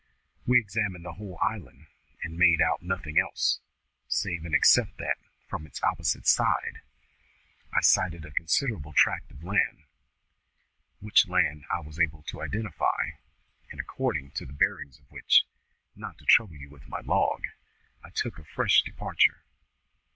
We examined the whole island and made out nothing else, save and except that, from its opposite side, I sighted a considerable tract of land, which land I was able to identify, and according to the bearings of which (not to trouble you with my log) I took a fresh departure.